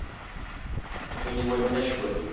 ونیول نه شول.